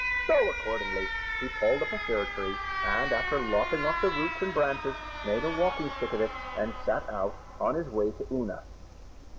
So, accordingly, he pulled up a fir tree, and, after lopping off the roots and branches, made a walking stick of it, and set out on his way to Oonagh.